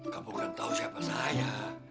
kamu kurang tahu siapa saya